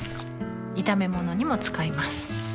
炒め物にも使います